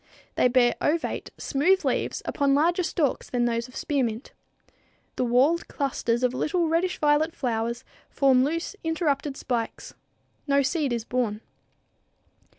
They bear ovate, smooth leaves upon longer stalks than those of spearmint. The whorled clusters of little, reddish violet flowers form loose, interrupted spikes. No seed is borne.